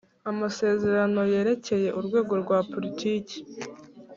Amasezerano yerekeye urwego rwa politiki